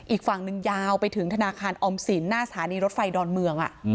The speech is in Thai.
อีกฝั่งหนึ่งยาวไปถึงธนาคารออมสินหน้าสถานีรถไฟดอนเมือง